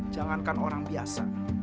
jangankan orang biasa